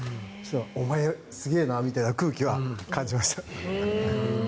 お前、すげえなみたいな空気は感じました。